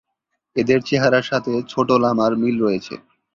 এদের চেহারার সাথে ছোট লামার মিল রয়েছে।